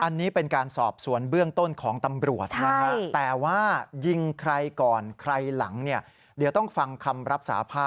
อันนี้เป็นการสอบสวนเบื้องต้นของตำรวจนะครับ